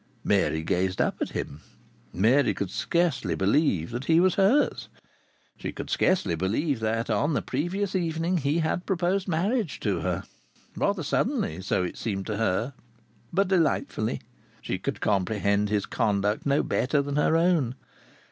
Mary gazed up at him. Mary could scarcely believe that he was hers. She could scarcely believe that on the previous evening he had proposed marriage to her rather suddenly, so it seemed to her, but delightfully. She could comprehend his conduct no better than her own.